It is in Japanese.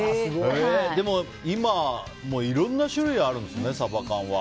でも、今いろんな種類があるんですね、サバ缶は。